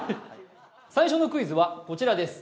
最初のクイズはこちらです